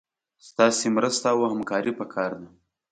ستاسي مرسته او همکاري پکار ده